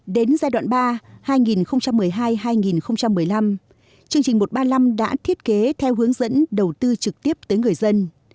đến giai đoạn ba hai nghìn một mươi hai hai nghìn một mươi năm chương trình một trăm ba mươi năm đã thiết kế theo hướng dẫn đầu tư trực tiếp tới người dân